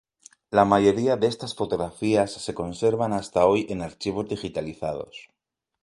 La mayoría de estas fotografías se conservan hasta hoy en archivos digitalizados.